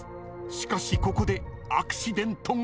［しかしここでアクシデントが！］